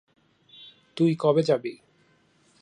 তুই কবে যাবি?